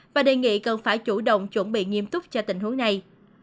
và đề nghị cần phải chủ động chuẩn bị nghiêm túc cho tình huống này